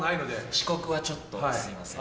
遅刻はちょっとすいません。